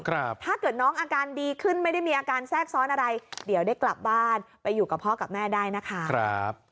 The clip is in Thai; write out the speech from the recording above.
ถ้าเกิดน้องอาการดีขึ้นไม่ได้มีอาการแทรกซ้อนอะไรเดี๋ยวได้กลับบ้านไปอยู่กับพ่อกับแม่ได้นะคะครับ